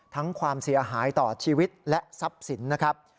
ความเสียหายต่อชีวิตและทรัพย์สินนะครับ